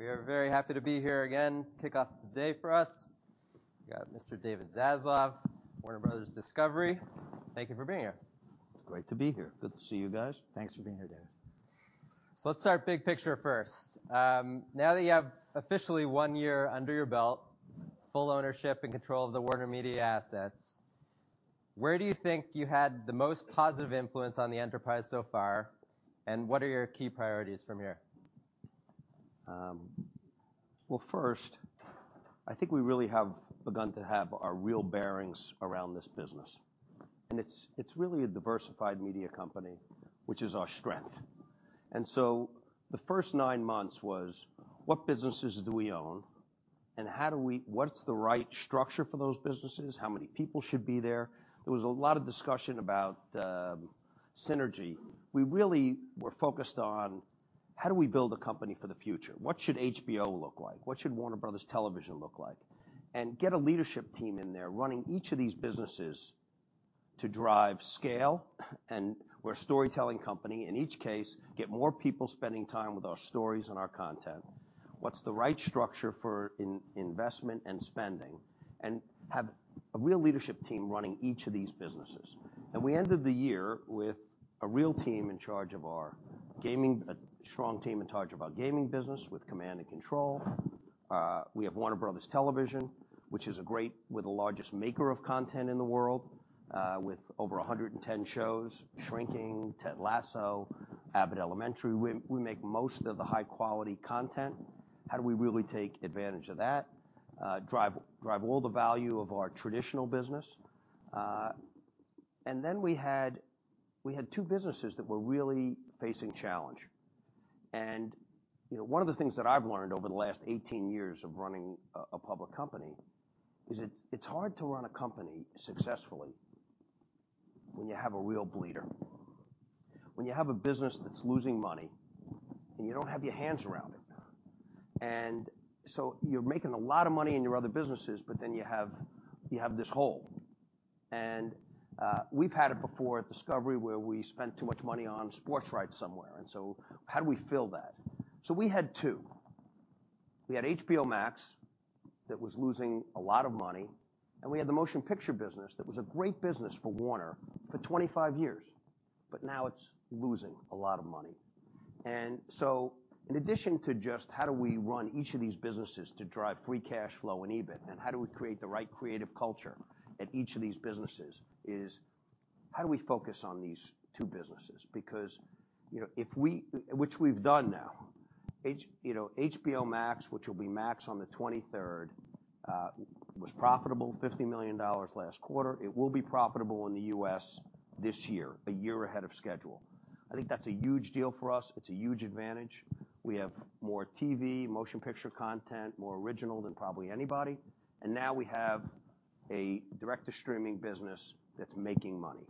We are very happy to be here again. Kick off the day for us. We got Mr. David Zaslav, Warner Bros. Discovery. Thank you for being here. It's great to be here. Good to see you guys. Thanks for being here, David. Let's start big picture first. Now that you have officially one year under your belt, full ownership and control of the WarnerMedia assets, where do you think you had the most positive influence on the enterprise so far? What are your key priorities from here? First, I think we really have begun to have our real bearings around this business. It's really a diversified media company, which is our strength. The first nine months was: What businesses do we own? What's the right structure for those businesses? How many people should be there? There was a lot of discussion about synergy. We really were focused on how do we build a company for the future? What should HBO look like? What should Warner Bros. Television look like? Get a leadership team in there running each of these businesses to drive scale. We're a storytelling company. In each case, get more people spending time with our stories and our content. What's the right structure for in-investment and spending? Have a real leadership team running each of these businesses. We ended the year with a real team in charge of our gaming, a strong team in charge of our gaming business with command and control. We have Warner Bros. Television, which is a great. We're the largest maker of content in the world, with over 110 shows. Shrinking, Ted Lasso, Abbott Elementary. We make most of the high-quality content. How do we really take advantage of that? Drive all the value of our traditional business. We had two businesses that were really facing challenge. You know, one of the things that I've learned over the last 18 years of running a public company is it's hard to run a company successfully when you have a real bleeder, when you have a business that's losing money, and you don't have your hands around it. You're making a lot of money in your other businesses, but then you have this hole. We've had it before at Discovery, where we spent too much money on sports rights somewhere. How do we fill that? We had two. We had HBO Max that was losing a lot of money, and we had the motion picture business that was a great business for Warner for 25 years, but now it's losing a lot of money. In addition to just how do we run each of these businesses to drive free cash flow and EBIT and how do we create the right creative culture at each of these businesses is how do we focus on these two businesses? Because, you know, if we Which we've done now. you know, HBO Max, which will be Max on the 23rd, was profitable $50 million last quarter. It will be profitable in the U.S. this year, a year ahead of schedule. I think that's a huge deal for us. It's a huge advantage. We have more TV, motion picture content, more original than probably anybody. Now we have a director streaming business that's making money.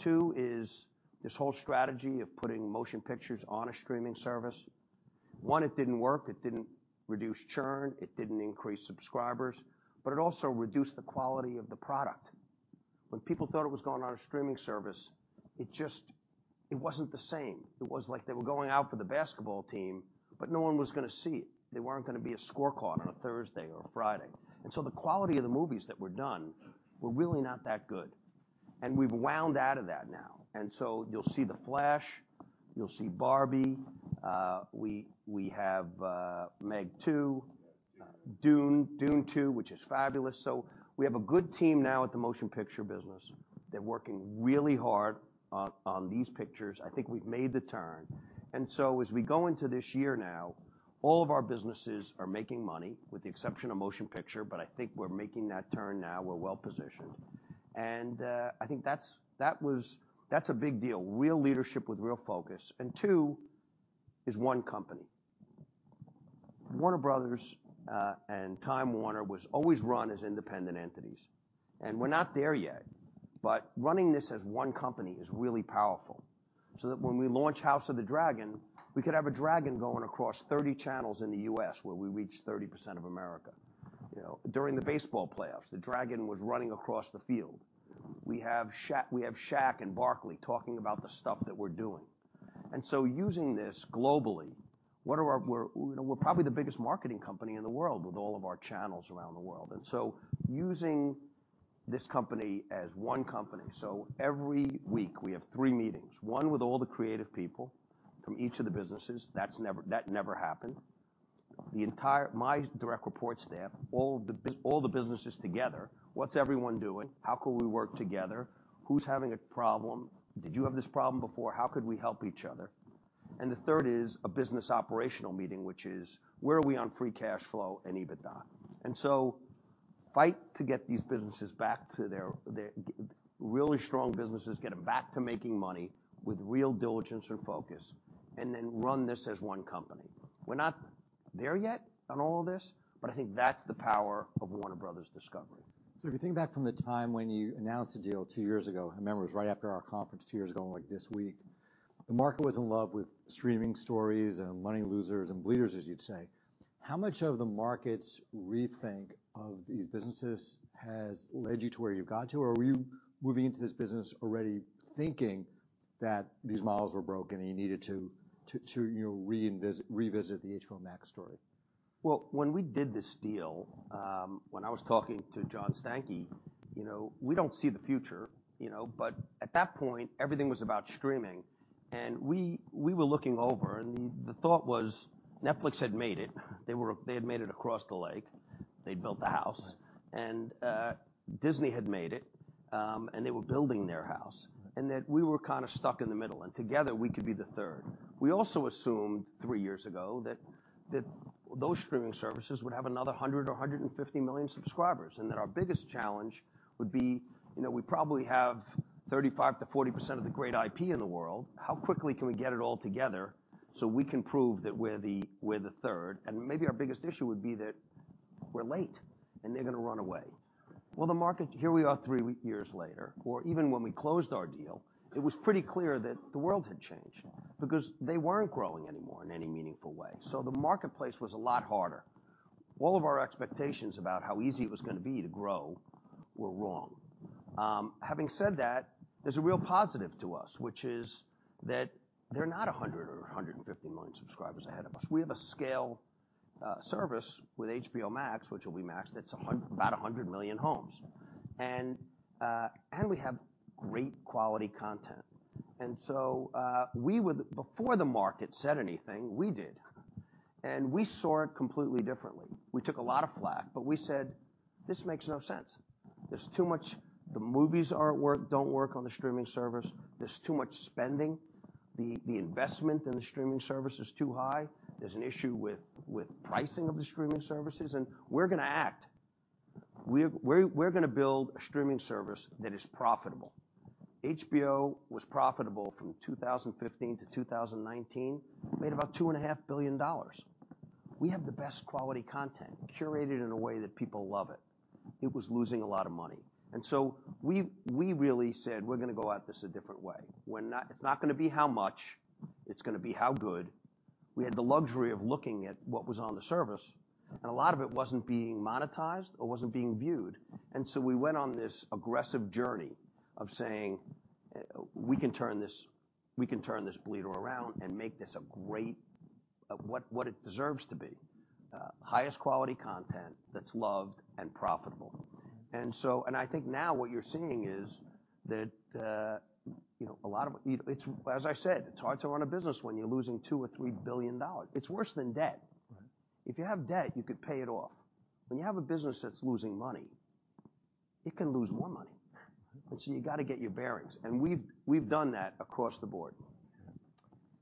Two is this whole strategy of putting motion pictures on a streaming service. One, it didn't work. It didn't reduce churn. It didn't increase subscribers, but it also reduced the quality of the product. When people thought it was going on a streaming service, it wasn't the same. It was like they were going out for the basketball team, but no one was gonna see it. They weren't gonna be a scorecard on a Thursday or a Friday. The quality of the movies that were done were really not that good. We've wound out of that now. You'll see The Flash, you'll see Barbie. We have Meg 2, Dune 2, which is fabulous. We have a good team now at the motion picture business. They're working really hard on these pictures. I think we've made the turn. As we go into this year now, all of our businesses are making money with the exception of motion picture, but I think we're making that turn now. We're well-positioned. I think that's that's a big deal. Real leadership with real focus. Two is one company. Warner Bros., and Time Warner was always run as independent entities. We're not there yet, but running this as one company is really powerful. When we launch House of the Dragon, we could have a dragon going across 30 channels in the U.S., where we reach 30% of America. You know, during the baseball playoffs, the dragon was running across the field. We have Shaq and Barkley talking about the stuff that we're doing. Using this globally, what are our... We're probably the biggest marketing company in the world with all of our channels around the world. Using this company as one company. Every week we have three meetings, one with all the creative people from each of the businesses. That never happened. My direct report staff, all the businesses together. What's everyone doing? How can we work together? Who's having a problem? Did you have this problem before? How could we help each other? The third is a business operational meeting, which is where are we on free cash flow and EBITDA? Fight to get these businesses back to their really strong businesses, get them back to making money with real diligence and focus, and then run this as one company. We're not there yet on all of this, but I think that's the power of Warner Bros. Discovery. If you think back from the time when you announced the deal two years ago, I remember it was right after our conference two years ago, like this week. The market was in love with streaming stories and money losers and bleeders, as you'd say. How much of the market's rethink of these businesses has led you to where you got to? Were you moving into this business already thinking that these models were broken, and you needed to, you know, revisit the HBO Max story? Well, when we did this deal, when I was talking to John Stankey, you know, we don't see the future, you know. At that point, everything was about streaming. We were looking over, the thought was Netflix had made it. They had made it across the lake. They'd built the house. Right. Disney had made it, and they were building their house. Right. That we were kind of stuck in the middle, and together we could be the 3rd. We also assumed three years ago that those streaming services would have another 100 million or 150 million subscribers, and that our biggest challenge would be, you know, we probably have 35%-40% of the great IP in the world. How quickly can we get it all together so we can prove that we're the 3rd? Maybe our biggest issue would be that we're late, and they're going to run away. Well, here we are three years later, or even when we closed our deal, it was pretty clear that the world had changed. Yeah. They weren't growing anymore in any meaningful way. The marketplace was a lot harder. All of our expectations about how easy it was gonna be to grow were wrong. Having said that, there's a real positive to us, which is that they're not 100 million or 150 million subscribers ahead of us. We have a scale service with HBO Max, which will be Max, that's about 100 million homes. We have great quality content. Before the market said anything, we did. We saw it completely differently. We took a lot of flak, but we said, "This makes no sense. There's too much. The movies don't work on the streaming service. There's too much spending. The investment in the streaming service is too high. There's an issue with pricing of the streaming services. We're gonna act. We're gonna build a streaming service that is profitable." HBO was profitable from 2015-2019. Made about $2.5 billion. We have the best quality content curated in a way that people love it. It was losing a lot of money. We really said, "We're gonna go at this a different way." It's not gonna be how much, it's gonna be how good. We had the luxury of looking at what was on the service. A lot of it wasn't being monetized or wasn't being viewed. We went on this aggressive journey of saying, "We can turn this bleeder around and make this a great... what it deserves to be. Highest quality content that's loved and profitable." I think now what you're seeing is that, you know, it's, as I said, it's hard to run a business when you're losing $2 billion or $3 billion. It's worse than debt. Right. If you have debt, you could pay it off. When you have a business that's losing money, it can lose more money. Right. you gotta get your bearings, and we've done that across the board.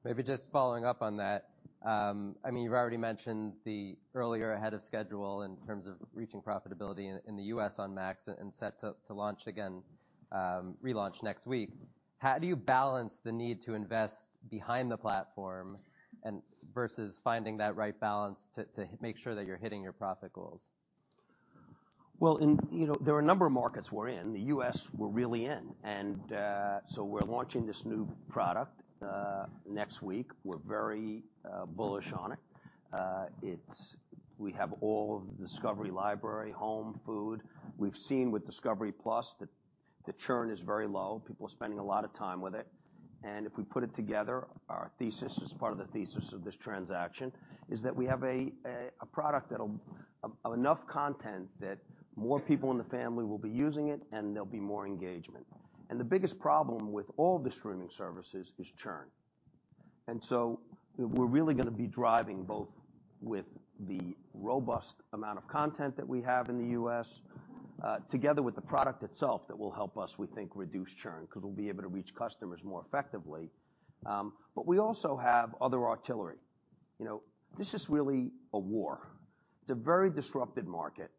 Maybe just following up on that, I mean, you've already mentioned the earlier ahead of schedule in terms of reaching profitability in the U.S. on Max and set to launch again, relaunch next week. How do you balance the need to invest behind the platform and versus finding that right balance to make sure that you're hitting your profit goals? Well, in, you know, there are a number of markets we're in. The U.S., we're really in. We're launching this new product next week. We're very bullish on it. We have all of the Discovery library, home, food. We've seen with discovery+ that the churn is very low. People are spending a lot of time with it. If we put it together, our thesis, as part of the thesis of this transaction, is that we have a, a product that enough content that more people in the family will be using it, and there'll be more engagement. The biggest problem with all the streaming services is churn. We're really gonna be driving both with the robust amount of content that we have in the U.S., together with the product itself, that will help us, we think, reduce churn, 'cause we'll be able to reach customers more effectively. We also have other artillery. You know, this is really a war. It's a very disrupted market.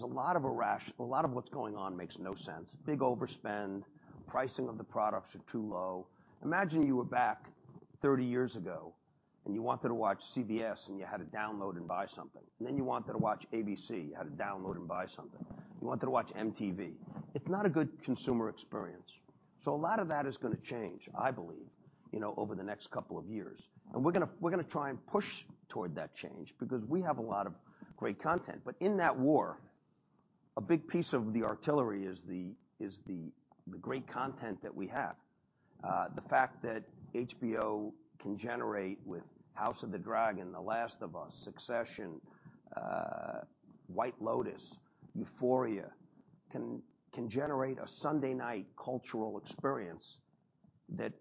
A lot of what's going on makes no sense. Big overspend. Pricing of the products are too low. Imagine you were back 30 years ago, and you wanted to watch CBS, and you had to download and buy something. You wanted to watch ABC, you had to download and buy something. You wanted to watch MTV. It's not a good consumer experience. A lot of that is gonna change, I believe, you know, over the next couple of years. We're gonna try and push toward that change because we have a lot of great content. In that war, a big piece of the artillery is the great content that we have. The fact that HBO can generate with House of the Dragon, The Last of Us, Succession, White Lotus, Euphoria, can generate a Sunday night cultural experience that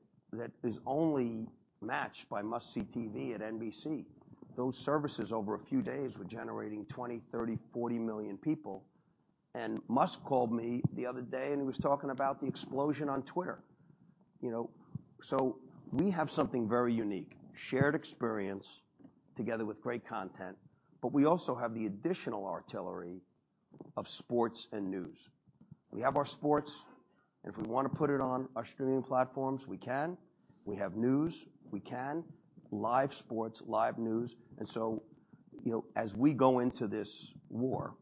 is only matched by must-see TV at NBC. Those services over a few days were generating 20 million, 30 million, 40 million people. Musk called me the other day, and he was talking about the explosion on Twitter, you know. We have something very unique. Shared experience together with great content, but we also have the additional artillery of sports and news. We have our sports, and if we wanna put it on our streaming platforms, we can. We have news, we can. Live sports, live news. You know, as we go into this war.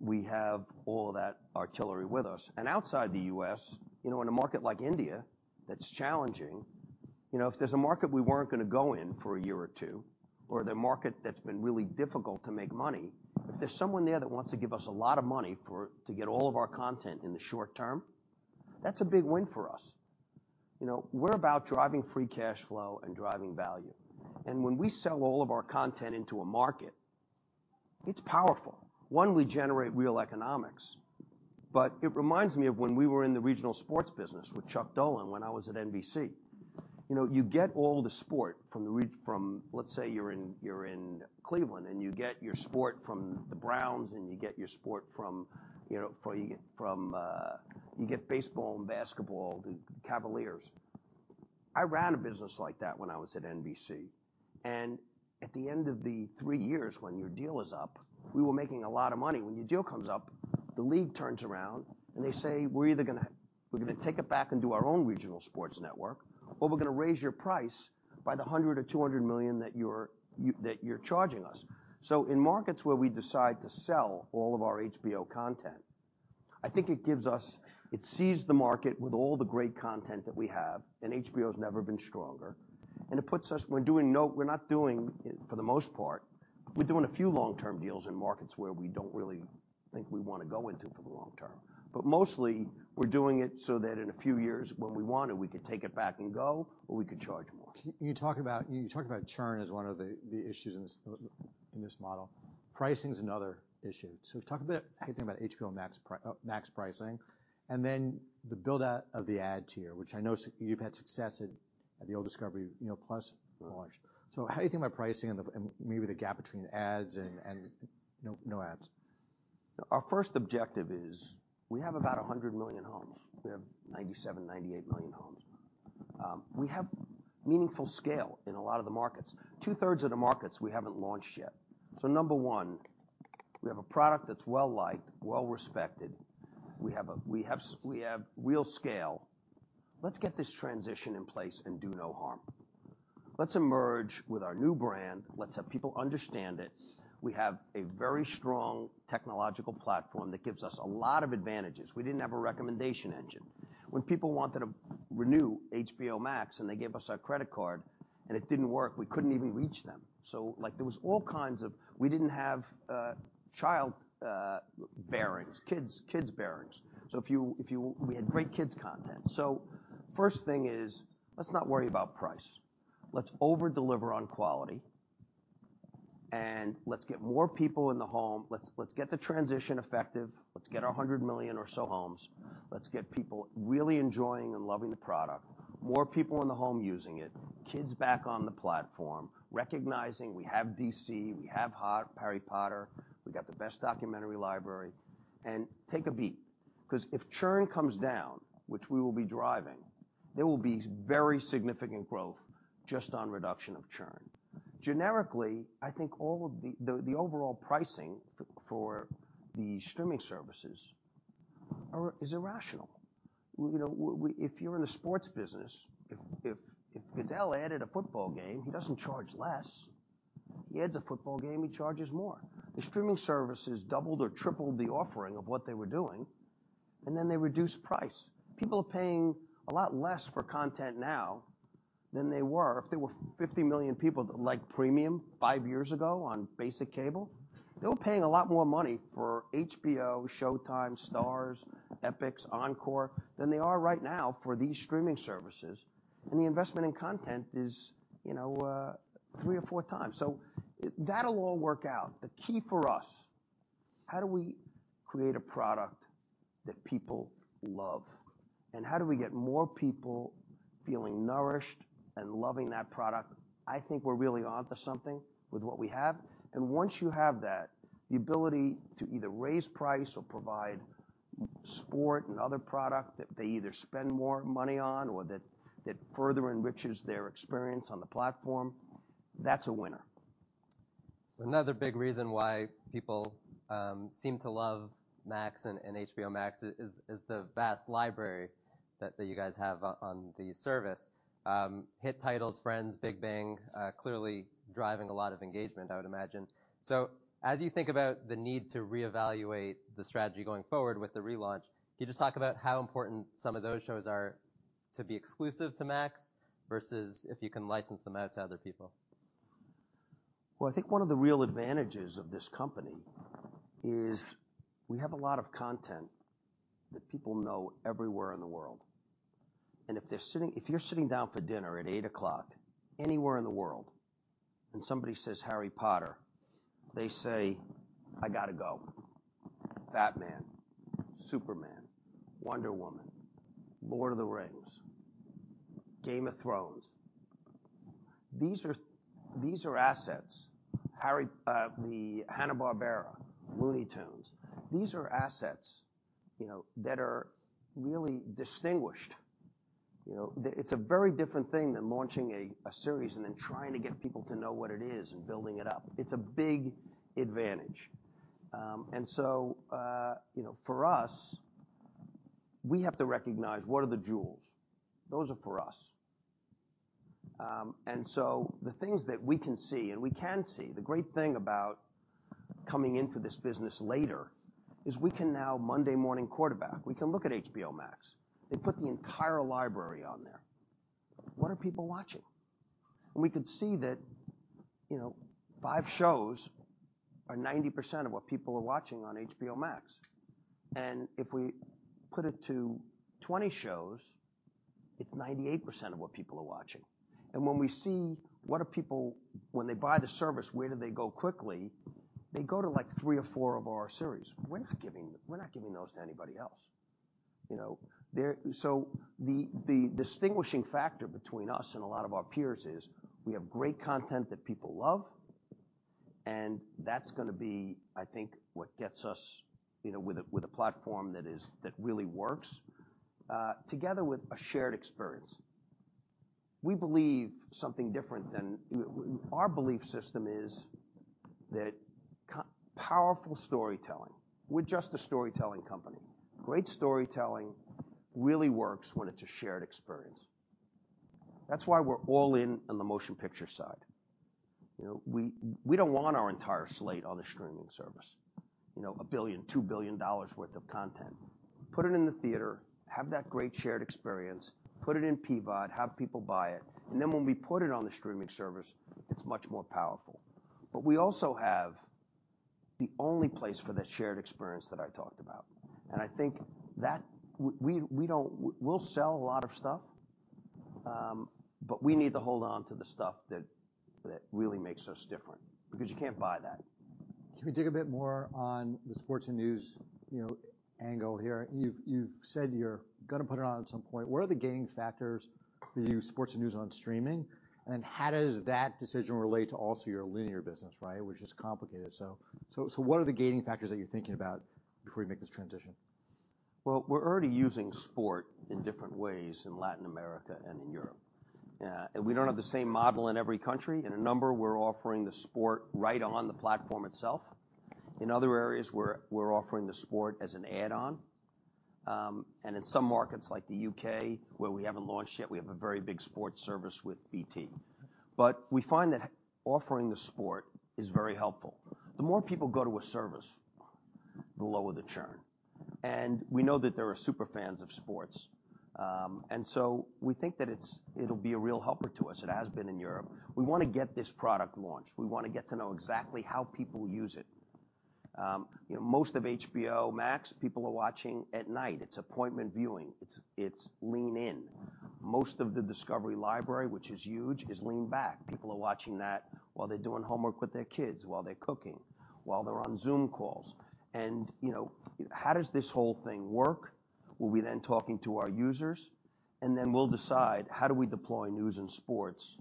We have all of that artillery with us. Outside the U.S., you know, in a market like India, that's challenging, you know, if there's a market we weren't gonna go in for a year or two, or the market that's been really difficult to make money, if there's someone there that wants to give us a lot of money to get all of our content in the short term, that's a big win for us. You know, we're about driving free cash flow and driving value. When we sell all of our content into a market, it's powerful. One, we generate real economics, but it reminds me of when we were in the regional sports business with Chuck Dolan when I was at NBC. You know, you get all the sport from, let's say, you're in, you're in Cleveland, and you get your sport from the Browns, and you get your sport from, you know, from, you get, from. You get baseball and basketball, the Cavaliers. I ran a business like that when I was at NBC, and at the end of the three years when your deal is up, we were making a lot of money. When your deal comes up, the league turns around, and they say, "We're either gonna take it back and do our own regional sports network, or we're gonna raise your price by the $100 million or $200 million that you're charging us." In markets where we decide to sell all of our HBO content, I think it gives us It sees the market with all the great content that we have, and HBO's never been stronger. We're not doing, for the most part, we're doing a few long-term deals in markets where we don't really think we wanna go into for the long term. Mostly we're doing it so that in a few years, when we want it, we could take it back and go, or we could charge more. Can you talk about churn as one of the issues in this model? Pricing's another issue. Talk a bit, how you think about HBO Max Max pricing, and then the build-out of the ad tier, which I know you've had success at the old Discovery, you know, discovery+ launch. How do you think about pricing and maybe the gap between ads and no ads? Our first objective is we have about 100 million homes. We have 97 million, 98 million homes. We have meaningful scale in a lot of the markets. 2/3 of the markets we haven't launched yet. Number one, we have a product that's well-liked, well-respected. We have real scale. Let's get this transition in place and do no harm. Let's emerge with our new brand. Let's have people understand it. We have a very strong technological platform that gives us a lot of advantages. We didn't have a recommendation engine. When people wanted to renew HBO Max, and they gave us a credit card, and it didn't work, we couldn't even reach them. Like, there was all kinds of. We didn't have child bearings, kids bearings. If you... We had great kids content. First thing is, let's not worry about price. Let's over deliver on quality, and let's get more people in the home. Let's get the transition effective. Let's get our 100 million or so homes. Let's get people really enjoying and loving the product. More people in the home using it. Kids back on the platform, recognizing we have DC, we have Harry Potter. We got the best documentary library. Take a beat 'cause if churn comes down, which we will be driving, there will be very significant growth just on reduction of churn. Generically, I think all of the overall pricing for the streaming services are, is irrational. You know, if you're in the sports business, if Goodell added a football game, he doesn't charge less. He adds a football game, he charges more. The streaming services doubled or tripled the offering of what they were doing. They reduced price. People are paying a lot less for content now than they were. If there were 50 million people that liked premium five years ago on basic cable, they were paying a lot more money for HBO, Showtime, Starz, Epix, Encore, than they are right now for these streaming services, and the investment in content is, you know, 3x or 4x. That'll all work out. The key for us, how do we create a product that people love? How do we get more people feeling nourished and loving that product? I think we're really onto something with what we have once you have that, the ability to either raise price or provide sport and other product that they either spend more money on or that further enriches their experience on the platform, that's a winner. Another big reason why people seem to love Max and HBO Max is the vast library that you guys have on the service. Hit titles, Friends, Big Bang, clearly driving a lot of engagement, I would imagine. As you think about the need to reevaluate the strategy going forward with the relaunch, can you just talk about how important some of those shows are to be exclusive to Max versus if you can license them out to other people? I think one of the real advantages of this company is we have a lot of content that people know everywhere in the world. If you're sitting down for dinner at eight o'clock anywhere in the world, and somebody says Harry Potter, they say, "I gotta go." Batman, Superman, Wonder Woman, Lord of the Rings, Game of Thrones. These are assets. Hanna-Barbera, Looney Tunes. These are assets, you know, that are really distinguished. You know, It's a very different thing than launching a series and then trying to get people to know what it is and building it up. It's a big advantage. You know, for us, we have to recognize what are the jewels. Those are for us. The things that we can see, the great thing about coming into this business later is we can now Monday-morning quarterback. We can look at HBO Max. They put the entire library on there. What are people watching? We could see that, you know, five shows are 90% of what people are watching on HBO Max. If we put it to 20 shows, it's 98% of what people are watching. When we see they buy the service, where do they go quickly? They go to, like, three or four of our series. We're not giving those to anybody else, you know. The distinguishing factor between us and a lot of our peers is we have great content that people love, and that's gonna be, I think, what gets us, you know, with a platform that really works together with a shared experience. We believe something different than Our belief system is that powerful storytelling. We're just a storytelling company. Great storytelling really works when it's a shared experience. That's why we're all in on the motion picture side. You know, we don't want our entire slate on the streaming service. You know, $1 billion, $2 billion worth of content. Put it in the theater, have that great shared experience, put it in PVOD, have people buy it, and then when we put it on the streaming service, it's much more powerful. We also have the only place for that shared experience that I talked about. I think that we'll sell a lot of stuff, but we need to hold on to the stuff that really makes us different, because you can't buy that. Can we dig a bit more on the sports and news, you know, angle here? You've said you're gonna put it on at some point. What are the gaining factors for you, sports and news on streaming? How does that decision relate to also your linear business, right? Which is complicated. What are the gaining factors that you're thinking about before you make this transition? We're already using sport in different ways in Latin America and in Europe. We don't have the same model in every country. In a number, we're offering the sport right on the platform itself. In other areas, we're offering the sport as an add-on. In some markets like the U.K., where we haven't launched yet, we have a very big sport service with BT. We find that offering the sport is very helpful. The more people go to a service, the lower the churn. We know that there are super fans of sports. We think that it'll be a real helper to us. It has been in Europe. We wanna get this product launched. We wanna get to know exactly how people use it. You know, most of HBO Max, people are watching at night. It's appointment viewing. It's lean in. Most of the Discovery library, which is huge, is lean back. People are watching that while they're doing homework with their kids, while they're cooking, while they're on Zoom calls. You know, how does this whole thing work? We'll be then talking to our users, and then we'll decide how do we deploy news and sports.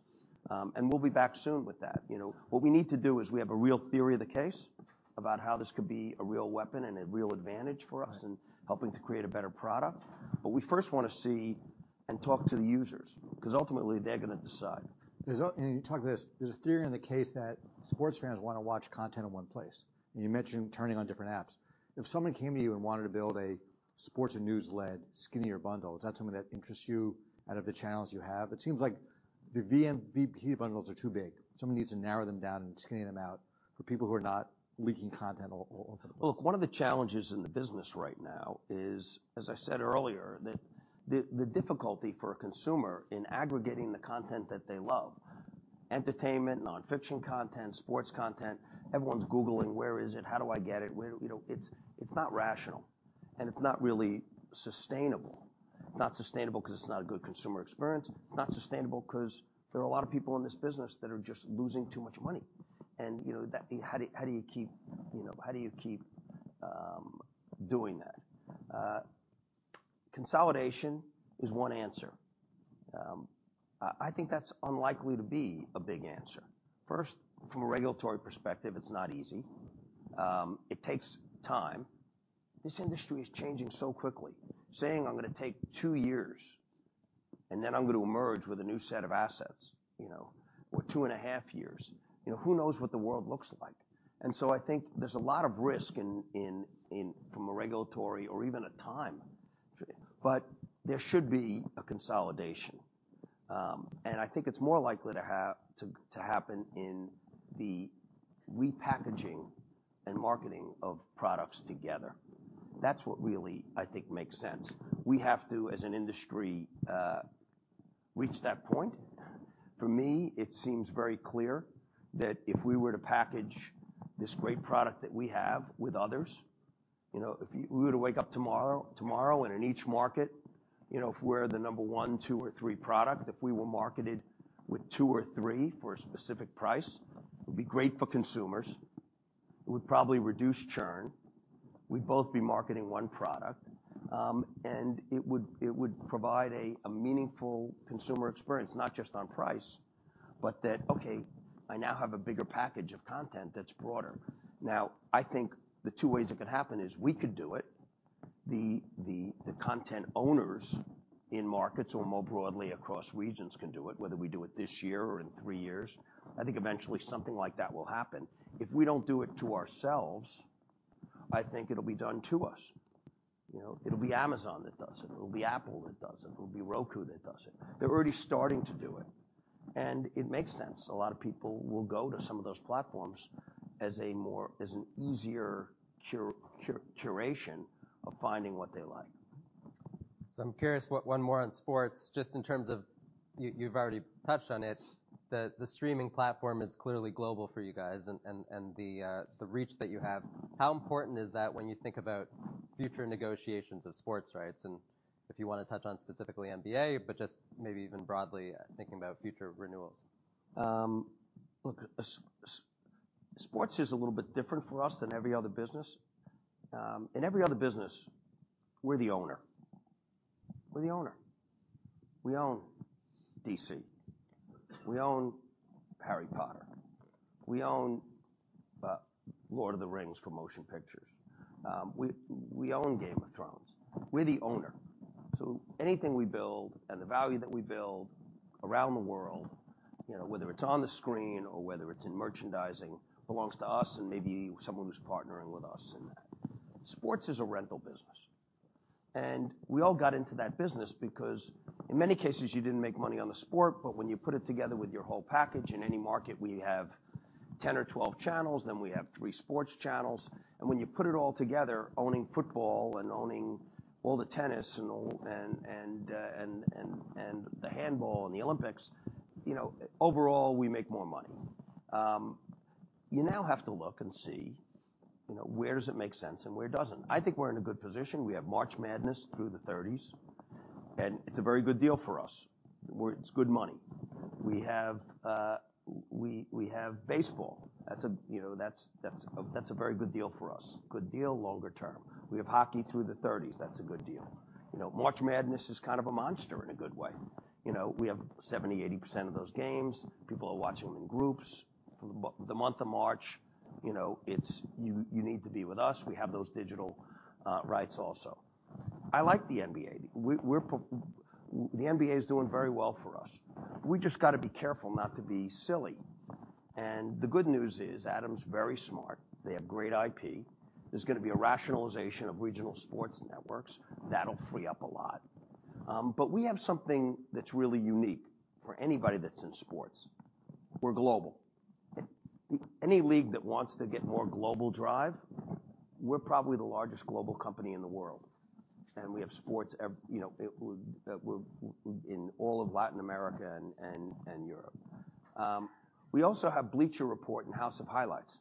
We'll be back soon with that, you know. What we need to do is we have a real theory of the case about how this could be a real weapon and a real advantage for us- Right. -in helping to create a better product. We first wanna see and talk to the users 'cause ultimately they're gonna decide. You talked about this. There's a theory in the case that sports fans wanna watch content in one place, and you mentioned turning on different apps. If someone came to you and wanted to build a sports and news-led skinnier bundle, is that something that interests you out of the channels you have? It seems like the vMVPD bundles are too big. Someone needs to narrow them down and skinny them out for people who are not leaking content all over. Look, one of the challenges in the business right now is, as I said earlier, that the difficulty for a consumer in aggregating the content that they love, entertainment, nonfiction content, sports content, everyone's googling, where is it? How do I get it? Where. You know, it's not rational, and it's not really sustainable. It's not sustainable 'cause it's not a good consumer experience. It's not sustainable 'cause there are a lot of people in this business that are just losing too much money. You know, that. How do you keep, you know, how do you keep doing that? Consolidation is one answer. I think that's unlikely to be a big answer. First, from a regulatory perspective, it's not easy. It takes time. This industry is changing so quickly. Saying, "I'm gonna take two years, and then I'm gonna emerge with a new set of assets," you know, or 2.5 years, you know, who knows what the world looks like? I think there's a lot of risk in from a regulatory or even a time. There should be a consolidation. I think it's more likely to happen in the repackaging and marketing of products together. That's what really, I think, makes sense. We have to, as an industry, reach that point. For me, it seems very clear that if we were to package this great product that we have with others, you know, if we were to wake up tomorrow, and in each market, you know, if we're the number one, two, or three product, if we were marketed with two or three for a specific price, it would be great for consumers. It would probably reduce churn. We'd both be marketing one product. It would provide a meaningful consumer experience, not just on price, but that, okay, I now have a bigger package of content that's broader. I think the two ways it could happen is we could do it, the content owners in markets or more broadly across regions can do it, whether we do it this year or in three years. I think eventually something like that will happen. If we don't do it to ourselves, I think it'll be done to us. You know, it'll be Amazon that does it. It'll be Apple that does it. It'll be Roku that does it. They're already starting to do it, and it makes sense. A lot of people will go to some of those platforms as an easier curation of finding what they like. I'm curious what. One more on sports, just in terms of, you've already touched on it, the streaming platform is clearly global for you guys and the reach that you have. How important is that when you think about future negotiations of sports rights? If you wanna touch on specifically NBA, but just maybe even broadly thinking about future renewals. Look, sports is a little bit different for us than every other business. In every other business, we're the owner. We're the owner. We own DC. We own Harry Potter. We own Lord of the Rings for Motion Pictures. We own Game of Thrones. We're the owner. Anything we build and the value that we build around the world, you know, whether it's on the screen or whether it's in merchandising, belongs to us and maybe someone who's partnering with us in that. Sports is a rental business. We all got into that business because in many cases, you didn't make money on the sport, but when you put it together with your whole package, in any market we have 10 or 12 channels, then we have three sports channels. When you put it all together, owning football and owning all the tennis and all, and the handball and the Olympics, you know, overall, we make more money. You now have to look and see, you know, where does it make sense and where doesn't. I think we're in a good position. We have March Madness through the 30s, and it's a very good deal for us. It's good money. We have baseball. That's a, you know, that's a very good deal for us. Good deal, longer term. We have hockey through the 30s. That's a good deal. You know, March Madness is kind of a monster in a good way. You know, we have 70%, 80% of those games. People are watching them in groups. For the month of March, you know, you need to be with us. We have those digital rights also. I like the NBA. The NBA is doing very well for us. We just gotta be careful not to be silly. The good news is, Adam's very smart. They have great IP. There's gonna be a rationalization of regional sports networks. That'll free up a lot. We have something that's really unique for anybody that's in sports. We're global. Any league that wants to get more global drive, we're probably the largest global company in the world, and we have sports you know, in all of Latin America and Europe. We also have Bleacher Report and House of Highlights.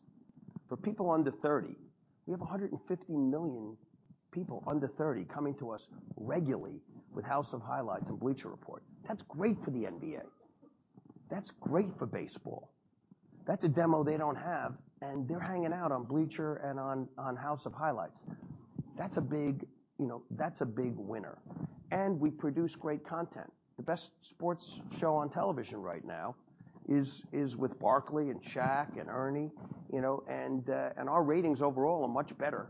For people under 30, we have 150 million people under 30 coming to us regularly with House of Highlights and Bleacher Report. That's great for the NBA. That's great for baseball. That's a demo they don't have, and they're hanging out on Bleacher and on House of Highlights. That's a big, you know, that's a big winner. We produce great content. The best sports show on television right now is with Barkley and Shaq and Ernie, you know. Our ratings overall are much better,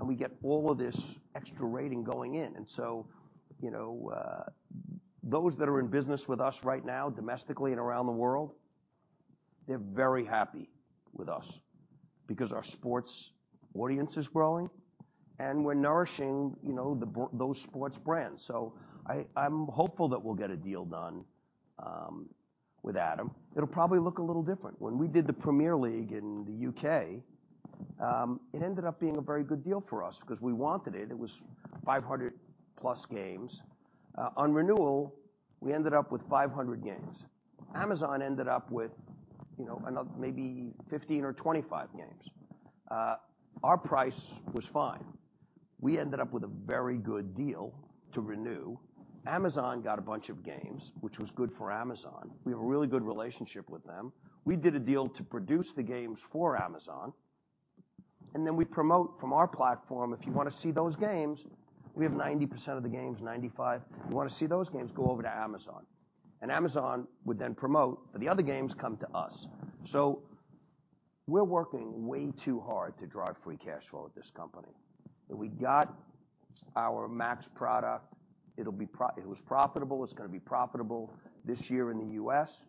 and we get all of this extra rating going in. You know, those that are in business with us right now, domestically and around the world, they're very happy with us because our sports audience is growing, and we're nourishing, you know, those sports brands. I'm hopeful that we'll get a deal done with Adam. It'll probably look a little different. When we did the Premier League in the U.K., it ended up being a very good deal for us because we wanted it. It was 500 plus games. On renewal, we ended up with 500 games. Amazon ended up with, you know, another maybe 15 or 25 games. Our price was fine. We ended up with a very good deal to renew. Amazon got a bunch of games, which was good for Amazon. We have a really good relationship with them. We did a deal to produce the games for Amazon, and then we promote from our platform, if you wanna see those games, we have 90% of the games, 95%. You wanna see those games, go over to Amazon. Amazon would then promote, for the other games, "Come to us." We're working way too hard to drive free cash flow at this company. We got our Max product. It was profitable. It's gonna be profitable this year in the U.S.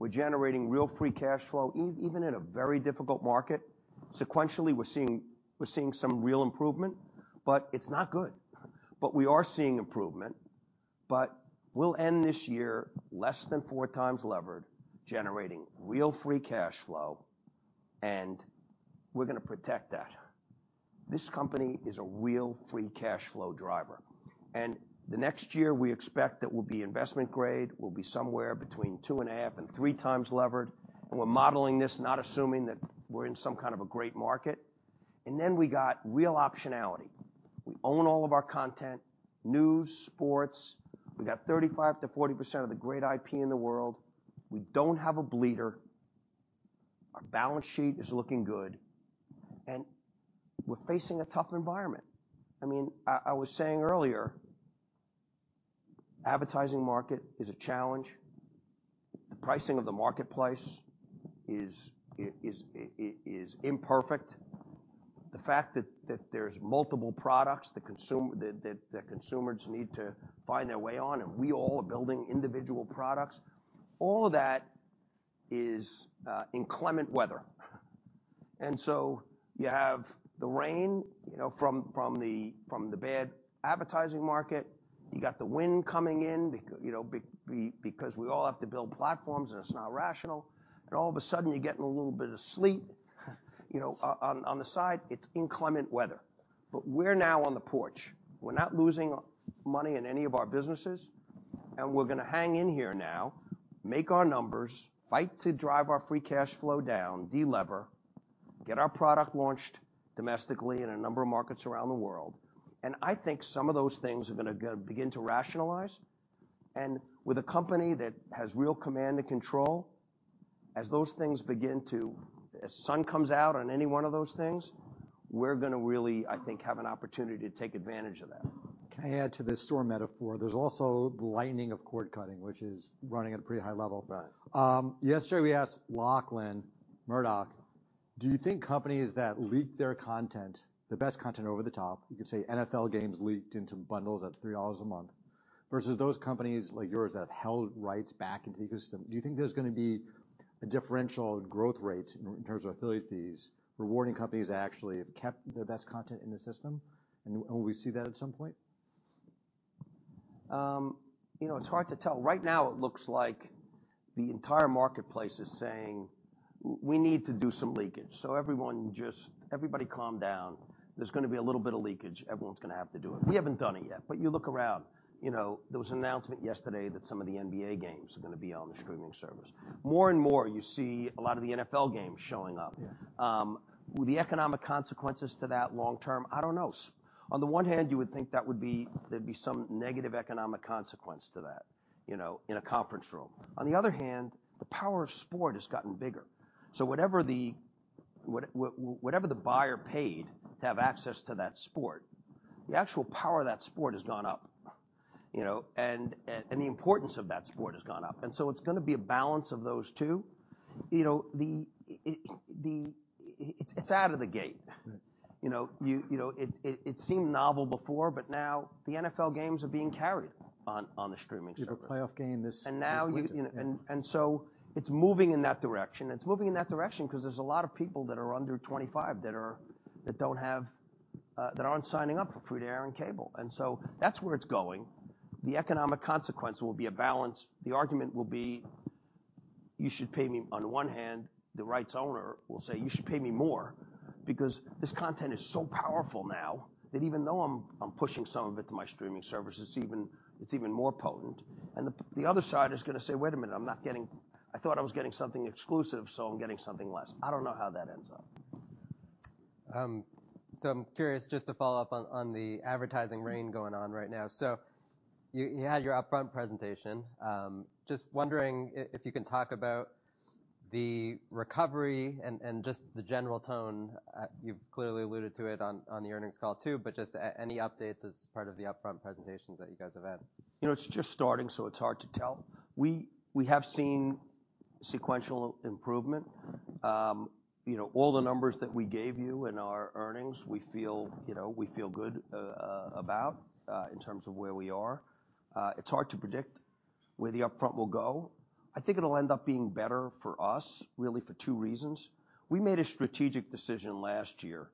We're generating real free cash flow even in a very difficult market. Sequentially, we're seeing some real improvement, but it's not good. We are seeing improvement. We'll end this year less than 4x levered, generating real free cash flow, and we're gonna protect that. This company is a real free cash flow driver. The next year, we expect that we'll be investment grade. We'll be somewhere between 2.5x and 3x levered. We're modeling this not assuming that we're in some kind of a great market. Then we got real optionality. We own all of our content, news, sports. We got 35%-40% of the great IP in the world. We don't have a bleeder. Our balance sheet is looking good. We're facing a tough environment. I mean, I was saying earlier, advertising market is a challenge. The pricing of the marketplace is imperfect. The fact that there's multiple products the consumers need to find their way on. We all are building individual products, all of that is inclement weather. You have the rain, you know, from the bad advertising market. You got the wind coming in because we all have to build platforms. It's not rational. All of a sudden, you're getting a little bit of sleet, you know, on the side. It's inclement weather. We're now on the porch. We're not losing money in any of our businesses, and we're gonna hang in here now, make our numbers, fight to drive our free cash flow down, de-lever, get our product launched domestically in a number of markets around the world. I think some of those things are gonna begin to rationalize. With a company that has real command and control, as sun comes out on any one of those things, we're gonna really, I think, have an opportunity to take advantage of that. Can I add to this storm metaphor? There's also the lightning of cord cutting, which is running at a pretty high level. Right. Yesterday, we asked Lachlan Murdoch, do you think companies that leak their content, the best content over the top, you could say NFL games leaked into bundles at $3 a month, versus those companies like yours that have held rights back into the ecosystem, do you think there's gonna be a differential growth rate in terms of affiliate fees, rewarding companies that actually have kept their best content in the system? Will we see that at some point? You know, it's hard to tell. Right now it looks like the entire marketplace is saying, "We need to do some leakage. Everybody calm down. There's gonna be a little bit of leakage. Everyone's gonna have to do it." We haven't done it yet. You look around, you know. There was an announcement yesterday that some of the NBA games are gonna be on the streaming service. More and more you see a lot of the NFL games showing up. Yeah. Will the economic consequences to that long term? I don't know. On the one hand you would think that would be. There'd be some negative economic consequence to that, you know, in a conference room. On the other hand, the power of sport has gotten bigger. Whatever the whatever the buyer paid to have access to that sport, the actual power of that sport has gone up, you know. The importance of that sport has gone up. It's gonna be a balance of those two. You know, It's out of the gate. Right. You know, you know, it seemed novel before. Now the NFL games are being carried on the streaming service. You have a playoff game this winter. Now You know, so it's moving in that direction. It's moving in that direction 'cause there's a lot of people that are under 25 that don't have that aren't signing up for free to air and cable. That's where it's going. The economic consequence will be a balance. The argument will be, you should pay me on one hand. The rights owner will say, "You should pay me more because this content is so powerful now that even though I'm pushing some of it to my streaming service, it's even more potent." The other side is gonna say, "Wait a minute. I'm not getting something exclusive, so I'm getting something less." I don't know how that ends up. I'm curious, just to follow up on the advertising rain going on right now. You had your upfront presentation. Just wondering if you can talk about the recovery and just the general tone. You've clearly alluded to it on the earnings call too, but just any updates as part of the upfront presentations that you guys have had. You know, it's just starting, so it's hard to tell. We have seen sequential improvement. You know, all the numbers that we gave you in our earnings, we feel, you know, we feel good about in terms of where we are. It's hard to predict where the upfront will go. I think it'll end up being better for us, really for two reasons. We made a strategic decision last year.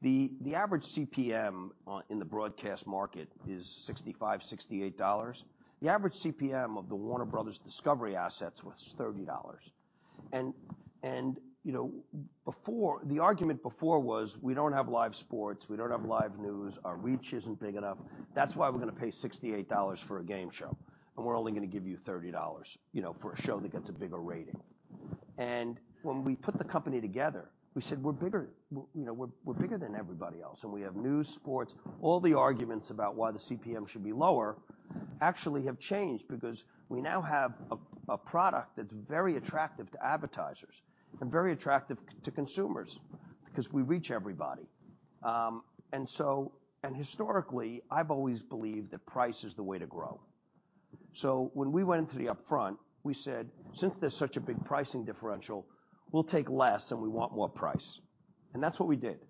The average CPM in the broadcast market is $65-$68. The average CPM of the Warner Bros. Discovery assets was $30. You know, before The argument before was, "We don't have live sports. We don't have live news. Our reach isn't big enough. That's why we're gonna pay $68 for a game show, and we're only gonna give you $30, you know, for a show that gets a bigger rating. When we put the company together, we said, "We're bigger. We're, you know, we're bigger than everybody else, and we have news, sports." All the arguments about why the CPM should be lower actually have changed because we now have a product that's very attractive to advertisers and very attractive to consumers because we reach everybody. Historically, I've always believed that price is the way to grow. When we went into the upfront, we said, "Since there's such a big pricing differential, we'll take less, and we want more price." That's what we did.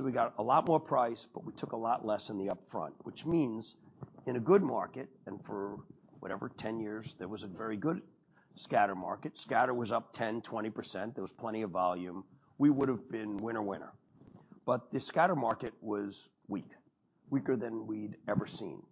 We got a lot more price, but we took a lot less in the upfront, which means in a good market, and for whatever, 10 years, there was a very good scatter market. Scatter was up 10%-20%. There was plenty of volume. We would've been winner-winner. The scatter market was weak, weaker than we'd ever seen.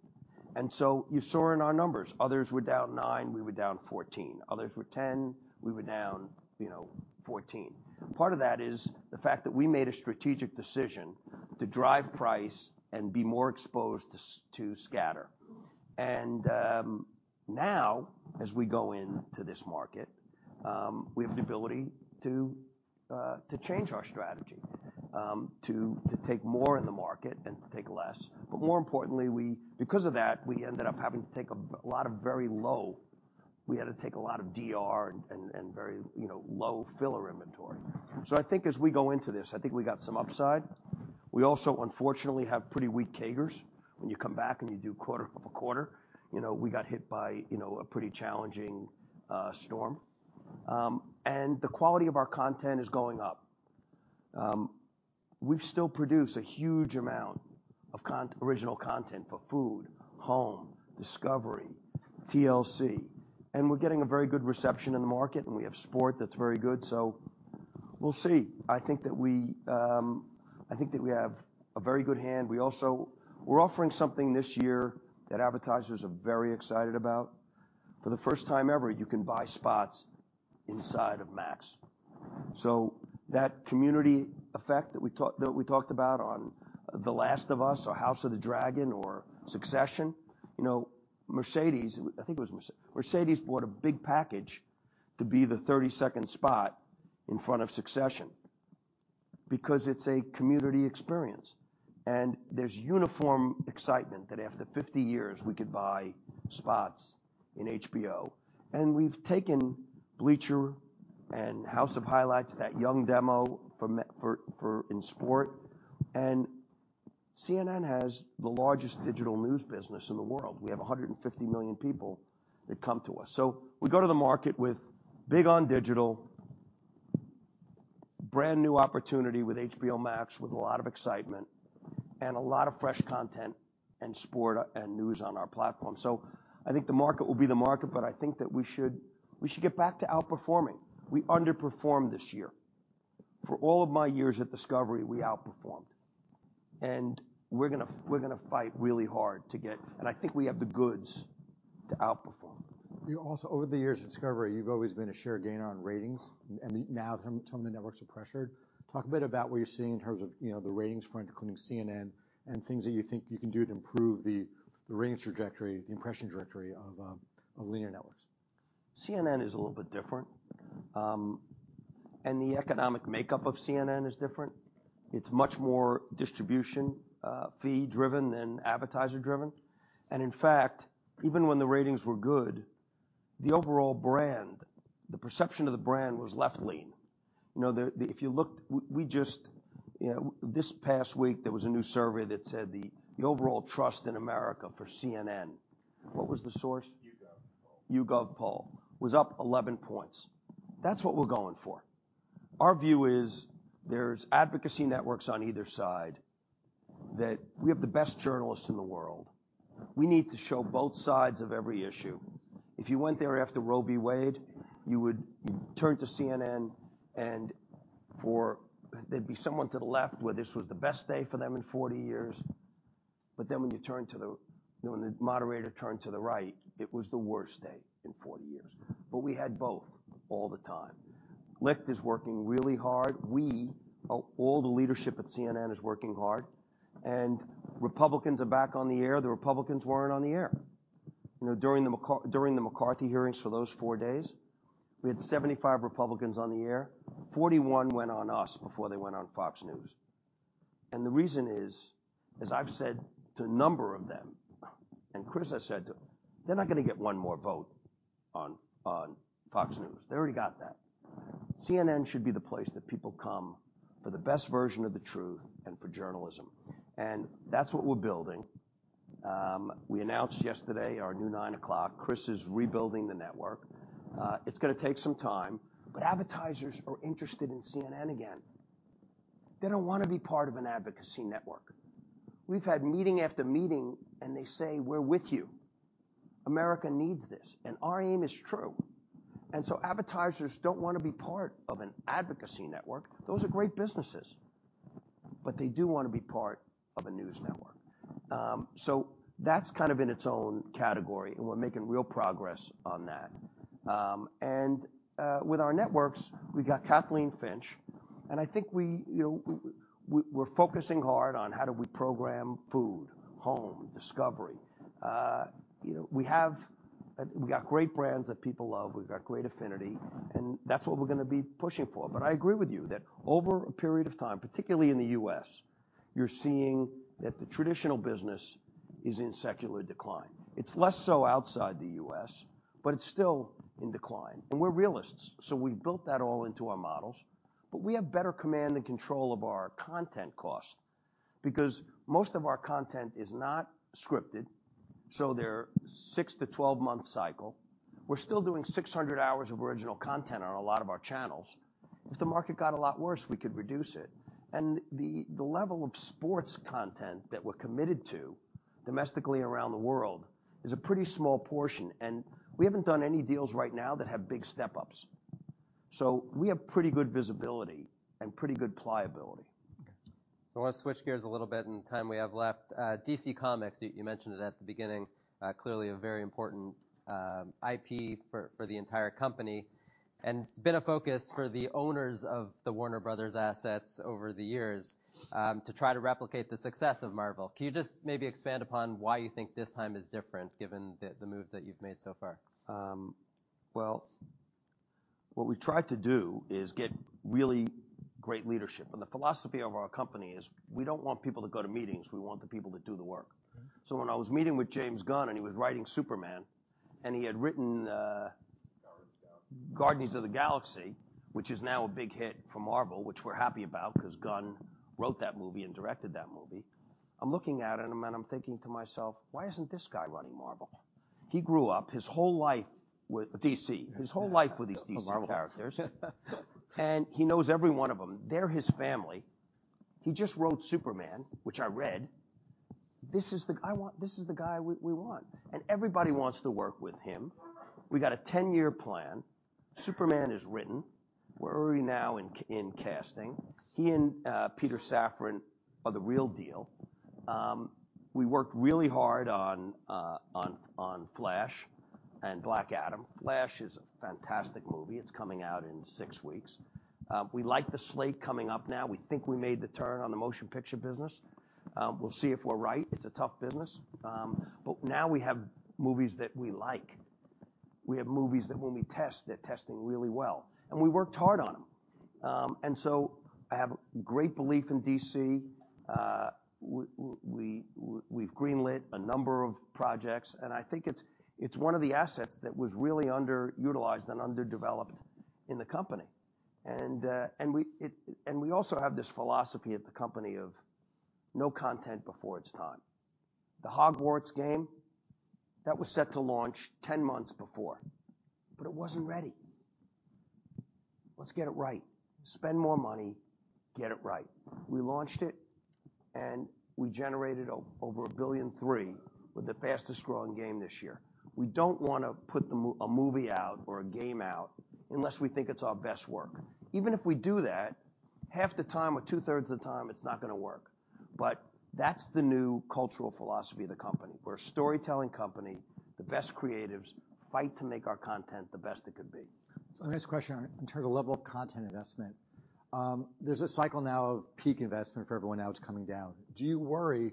You saw in our numbers, others were down 9%, we were down 14%. Others were 10%, we were down, you know, 14%. Part of that is the fact that we made a strategic decision to drive price and be more exposed to scatter. Now as we go into this market, we have the ability to change our strategy, to take more in the market than take less. More importantly, we... Because of that, we ended up having to take a lot of very low... We had to take a lot of DR and very, you know, low filler inventory. I think as we go into this, I think we got some upside. We also, unfortunately, have pretty weak CAGRs when you come back and you do quarter-over-quarter. You know, we got hit by, you know, a pretty challenging storm. And the quality of our content is going up. We still produce a huge amount of original content for food, home, discovery, TLC, and we're getting a very good reception in the market, and we have sport that's very good, so we'll see. I think that we, I think that we have a very good hand. We're offering something this year that advertisers are very excited about. For the first time ever, you can buy spots inside of Max. That community effect that we talked about on The Last of Us or House of the Dragon or Succession. You know, Mercedes, I think it was Mercedes. Mercedes bought a big package to be the 30-second spot in front of Succession because it's a community experience, and there's uniform excitement that after 50 years, we could buy spots in HBO. We've taken Bleacher and House of Highlights, that young demo for in sport. CNN has the largest digital news business in the world. We have 150 million people that come to us. We go to the market with big on digital. Brand-new opportunity with HBO Max with a lot of excitement and a lot of fresh content and sport and news on our platform. I think the market will be the market, but I think that we should get back to outperforming. We underperformed this year. For all of my years at Discovery, we outperformed, and we're gonna fight really hard. I think we have the goods to outperform. Over the years at Discovery, you've always been a share gainer on ratings, and now some of the networks are pressured. Talk a bit about what you're seeing in terms of, you know, the ratings front, including CNN, and things that you think you can do to improve the ratings trajectory, the impression trajectory of linear networks. CNN is a little bit different. And the economic makeup of CNN is different. It's much more distribution fee driven than advertiser driven. And in fact, even when the ratings were good, the overall brand, the perception of the brand was left-lean. You know, if you looked We just, you know, this past week, there was a new survey that said the overall trust in America for CNN. What was the source? YouGov poll. YouGov poll was up 11 points. That's what we're going for. Our view is there's advocacy networks on either side that we have the best journalists in the world. We need to show both sides of every issue. If you went there after Roe v. Wade, you would turn to CNN, and there'd be someone to the left where this was the best day for them in 40 years. When you turn to the, you know, when the moderator turned to the right, it was the worst day in 40 years. We had both all the time. Licht is working really hard. We, all the leadership at CNN is working hard. Republicans are back on the air. The Republicans weren't on the air. You know, during the McCarthy hearings for those four days, we had 75 Republicans on the air. 41 went on us before they went on Fox News. The reason is, as I've said to a number of them, and Chris has said to them, they're not gonna get one more vote on Fox News. They already got that. CNN should be the place that people come for the best version of the truth and for journalism. That's what we're building. We announced yesterday our new nine o'clock. Chris is rebuilding the network. It's gonna take some time, but advertisers are interested in CNN again. They don't wanna be part of an advocacy network. We've had meeting after meeting, and they say, "We're with you. America needs this, and our aim is true." Advertisers don't wanna be part of an advocacy network. Those are great businesses, but they do wanna be part of a news network. That's kind of in its own category, and we're making real progress on that. With our networks, we've got Kathleen Finch, and I think we, you know, we're focusing hard on how do we program food, home, discovery. You know, we got great brands that people love. We've got great affinity, and that's what we're gonna be pushing for. I agree with you that over a period of time, particularly in the U.S., you're seeing that the traditional business is in secular decline. It's less so outside the U.S., but it's still in decline. We're realists, so we built that all into our models. We have better command and control of our content costs because most of our content is not scripted, so they're 6 month-12 month cycle. We're still doing 600 hours of original content on a lot of our channels. If the market got a lot worse, we could reduce it. The level of sports content that we're committed to domestically around the world is a pretty small portion, and we haven't done any deals right now that have big step-ups. We have pretty good visibility and pretty good pliability. I want to switch gears a little bit in the time we have left. DC Comics, you mentioned it at the beginning, clearly a very important IP for the entire company. It's been a focus for the owners of the Warner Bros. assets over the years, to try to replicate the success of Marvel. Can you just maybe expand upon why you think this time is different given the moves that you've made so far? Well, what we try to do is get really great leadership. The philosophy of our company is we don't want people to go to meetings. We want the people to do the work. Mm-hmm. When I was meeting with James Gunn, and he was writing Superman, and he had written Guardians of the Galaxy, which is now a big hit for Marvel, which we're happy about 'cause Gunn wrote that movie and directed that movie. I'm looking at him and I'm thinking to myself, "Why isn't this guy running Marvel?" He grew up his whole life with DC. His whole life with these DC characters. Marvel. He knows every one of them. They're his family. He just wrote Superman, which I read. This is the guy we want. Everybody wants to work with him. We got a 10-year plan. Superman is written. We're early now in casting. He and Peter Safran are the real deal. We worked really hard on Flash and Black Adam. Flash is a fantastic movie. It's coming out in six weeks. We like the slate coming up now. We think we made the turn on the motion picture business. We'll see if we're right. It's a tough business. Now we have movies that we like. We have movies that when we test, they're testing really well, and we worked hard on them. I have great belief in DC. We've greenlit a number of projects, and I think it's one of the assets that was really underutilized and underdeveloped in the company. We also have this philosophy at the company of no content before its time. The Hogwarts game, that was set to launch 10 months before, but it wasn't ready. Let's get it right. Spend more money, get it right. We launched it, and we generated over $1.3 billion with the fastest growing game this year. We don't wanna put a movie out or a game out unless we think it's our best work. Even if we do that, half the time or 2/3 of the time, it's not gonna work. That's the new cultural philosophy of the company. We're a storytelling company. The best creatives fight to make our content the best it could be. Next question, in terms of level of content investment. There's a cycle now of peak investment for everyone now it's coming down. Do you worry,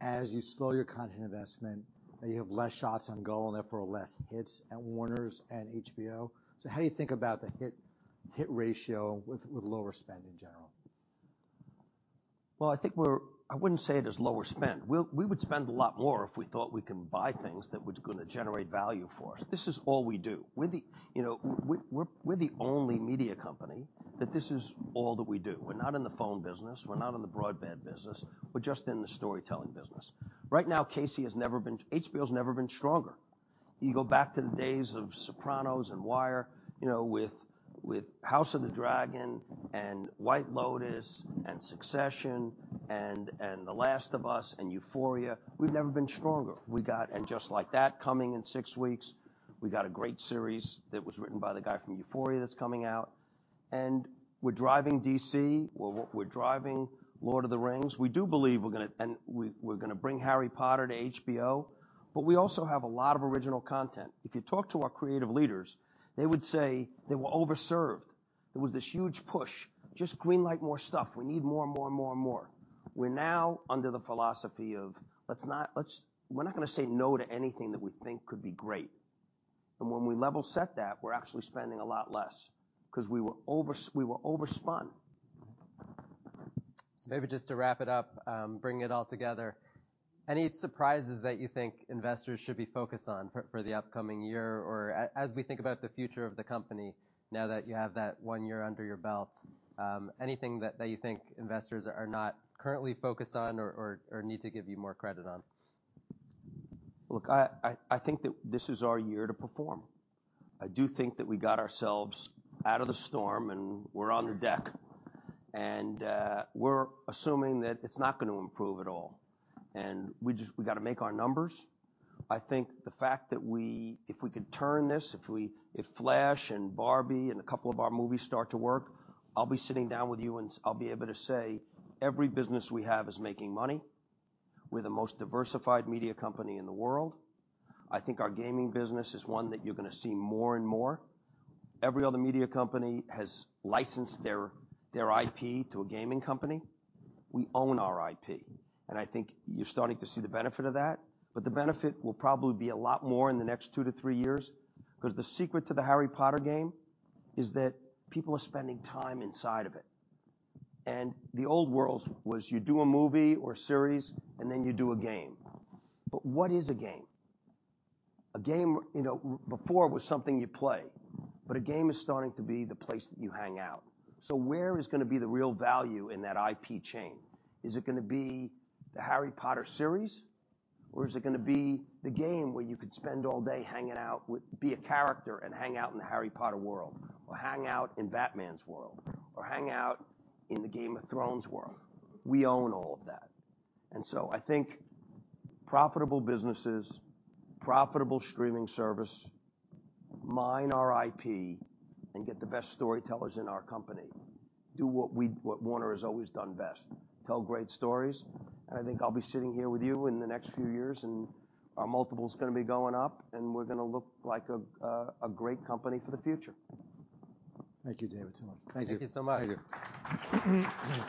as you slow your content investment, that you have less shots on goal and therefore less hits at Warners and HBO? How do you think about the hit ratio with lower spend in general? Well, I wouldn't say it is lower spend. We would spend a lot more if we thought we can buy things that were gonna generate value for us. This is all we do. We're the, you know, we're the only media company that this is all that we do. We're not in the phone business. We're not in the broadband business. We're just in the storytelling business. Right now, Casey has never been stronger. You go back to the days of The Sopranos and The Wire, you know, with House of the Dragon and The White Lotus and Succession and The Last of Us and Euphoria, we've never been stronger. We got And Just Like That coming in six weeks. We got a great series that was written by the guy from Euphoria that's coming out. We're driving DC, we're driving The Lord of the Rings. We do believe we're gonna bring Harry Potter to HBO, but we also have a lot of original content. If you talk to our creative leaders, they would say they were over-served. There was this huge push, just green light more stuff. We need more and more and more and more. We're now under the philosophy. We're not gonna say no to anything that we think could be great. When we level set that, we're actually spending a lot less because we were over spun. Maybe just to wrap it up, bring it all together, any surprises that you think investors should be focused on for the upcoming year? Or as we think about the future of the company now that you have that one year under your belt, anything that you think investors are not currently focused on or need to give you more credit on? Look, I think that this is our year to perform. I do think that we got ourselves out of the storm, and we're on the deck. We're assuming that it's not gonna improve at all. We gotta make our numbers. I think the fact that if we could turn this, if Flash and Barbie and a couple of our movies start to work, I'll be sitting down with you and I'll be able to say, every business we have is making money. We're the most diversified media company in the world. I think our gaming business is one that you're gonna see more and more. Every other media company has licensed their IP to a gaming company. We own our IP. I think you're starting to see the benefit of that. The benefit will probably be a lot more in the next two to three years, because the secret to the Harry Potter game is that people are spending time inside of it. The old worlds was you do a movie or series, and then you do a game. What is a game? A game, you know, before was something you play, but a game is starting to be the place that you hang out. Where is gonna be the real value in that IP chain? Is it gonna be the Harry Potter series, or is it gonna be the game where you could spend all day be a character and hang out in the Harry Potter world or hang out in Batman's world or hang out in the Game of Thrones world? We own all of that. I think profitable businesses, profitable streaming service, mine our IP, and get the best storytellers in our company. Do what Warner has always done best, tell great stories. I think I'll be sitting here with you in the next few years, and our multiple's gonna be going up, and we're gonna look like a great company for the future. Thank you, David. Thank you. Thank you so much. Thank you.